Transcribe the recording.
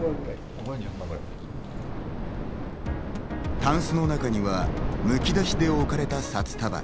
タンスの中にはむき出しで置かれた札束。